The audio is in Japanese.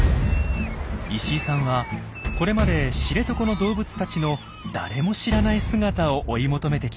石井さんはこれまで知床の動物たちの誰も知らない姿を追い求めてきました。